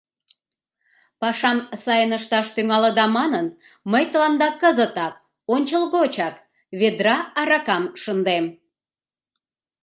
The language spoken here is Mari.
Пашам сайын ышташ тӱҥалыда манын, мый тыланда кызытак, ончылгочак, ведра аракам шындем.